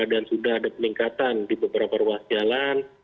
dan sudah ada peningkatan di beberapa ruas jalan